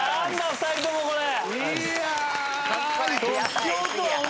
２人ともこれ。